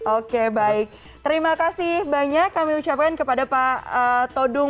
oke baik terima kasih banyak kami ucapkan kepada pak todung